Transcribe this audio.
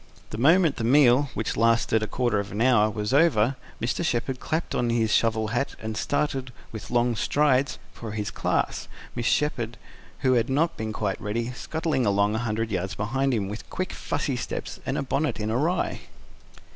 The moment the meal, which lasted a quarter of an hour, was over, Mr. Shepherd clapped on his shovel hat and started, with long strides, for his class, Mrs. Shepherd, who had not been quite ready, scuttling along a hundred yards behind him, with quick, fussy steps, and bonnet an awry.